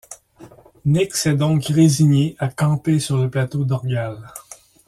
Nic s’est donc résigné à camper sur le plateau d’Orgall...